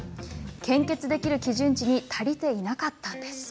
献血できる基準値に足りていなかったんです。